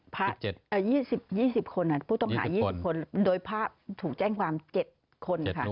๒๐๒๐คนผู้ต้องหา๒๐คนโดยพระถูกแจ้งความ๗คนค่ะ